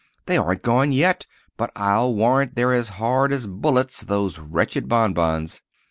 They aren't gone yet, but I'll warrant they're as hard as bullets—those wretched bonbons.